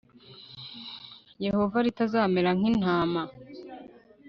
Yehova ritazamera nk intama